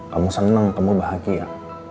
kamu seneng kamu bahagia